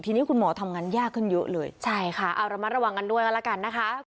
ทีนี้คุณหมอทำงานยากขึ้นเยอะเลยใช่ค่ะเอาระมัดระวังกันด้วยกันแล้วกันนะคะ